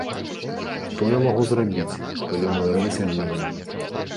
Што я магу зрабіць, калі мой рэйс адменены?